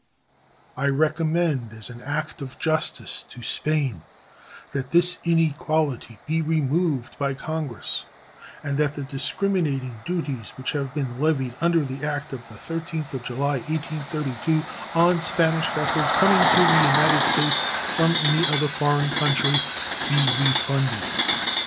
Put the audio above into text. I recommend, as an act of justice to Spain, that this inequality be removed by Congress and that the discriminating duties which have been levied under the act of the 13th of July, 1832, on Spanish vessels coming to the United States from any other foreign country be refunded.